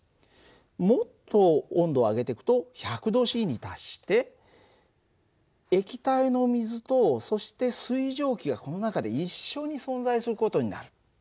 もっと温度を上げていくと１００℃に達して液体の水とそして水蒸気がこの中で一緒に存在する事になる。